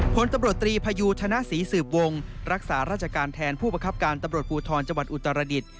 ผลตำรวจตรีพยูธนศรีสืบวงรักษาราชการแทนผู้ประคับการตำรวจภูทรจังหวัดอุตรดิษฐ์